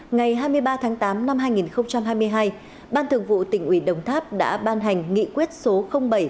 ngày hai mươi ba tháng tám năm hai nghìn hai mươi hai ban thường vụ tỉnh ủy đồng tháp đã ban hành nghị quyết số bảy